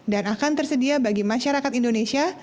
dan akan tersedia bagi masyarakat indonesia